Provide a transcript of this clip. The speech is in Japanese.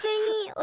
お！